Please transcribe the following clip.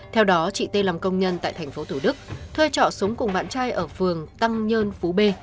theo đó chị t làm công nhân tại tp thủ đức thuê trọ súng cùng bạn trai ở phường tăng nhân phú b